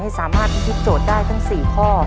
สามารถพิธีโจทย์ได้ทั้ง๔ข้อ